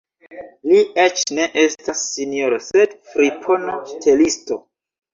Li eĉ ne estas sinjoro, sed fripono, ŝtelisto!